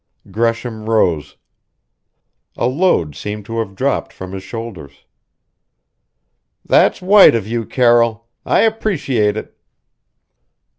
Gresham rose. A load seemed to have dropped from his shoulders. "That's white of you, Carroll! I appreciate it."